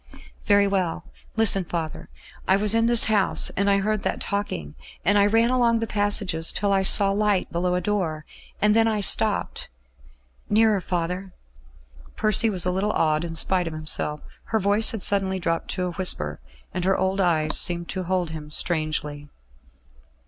"Very well, listen, father.... I was in this house; and I heard that talking; and I ran along the passages, till I saw light below a door; and then I stopped.... Nearer, father." Percy was a little awed in spite of himself. Her voice had suddenly dropped to a whisper, and her old eyes seemed to hold him strangely.